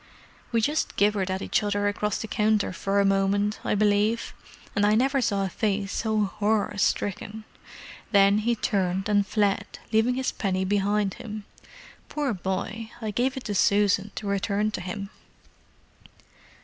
"We just gibbered at each other across the counter for a moment, I believe—and I never saw a face so horror stricken! Then he turned and fled, leaving his penny behind him. Poor boy—I gave it to Susan to return to him."